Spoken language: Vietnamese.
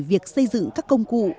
việc xây dựng các công cụ